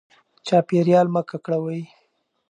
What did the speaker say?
چاپیریال مه ککړوئ.